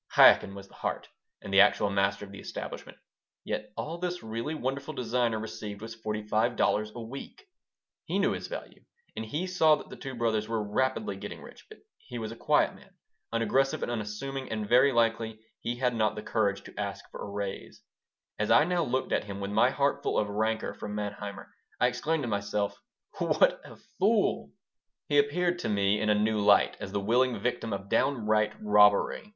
Chaikin was the heart and the actual master of the establishment. Yet all this really wonderful designer received was forty five dollars a week. He knew his value, and he saw that the two brothers were rapidly getting rich, but he was a quiet man, unaggressive and unassuming, and very likely he had not the courage to ask for a raise As I now looked at him, with my heart full of rancor for Manheimer, I exclaimed to myself, "What a fool!" He appeared to me in a new light, as the willing victim of downright robbery.